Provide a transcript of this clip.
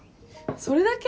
それだけ？